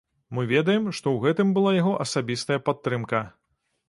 Мы ведаем, што ў гэтым была яго асабістая падтрымка.